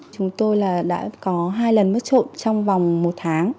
chúng tôi đã có hai lần mất trộm trong vòng một tháng